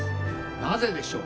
なぜでしょう？